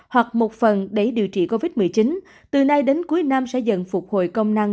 hoặc một phần để điều trị covid một mươi chín từ nay đến cuối năm sẽ dần phục hồi công năng